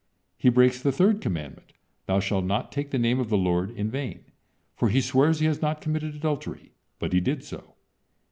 He breaks the third commandment: "Thou shalt not take the name of the Lord in vain," for he swears he has not committed adultery, but he did so.